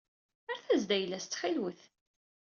Rret-as-d ayla-as ttxil-wet.